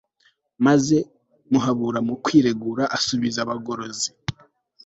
maze muhabura, mu kwiregura asubiza bagorozi